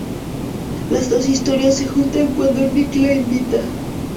Las dos historias se juntan cuando Nick la invita.